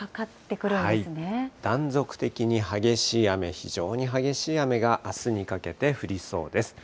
断続的に激しい雨、非常に激しい雨が、あすにかけて降りそうです。